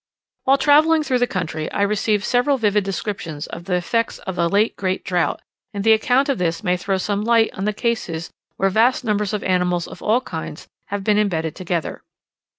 While travelling through the country, I received several vivid descriptions of the effects of a late great drought; and the account of this may throw some light on the cases where vast numbers of animals of all kinds have been embedded together.